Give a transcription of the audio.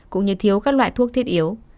cũng như thiếu các loại thuốc thiết yếu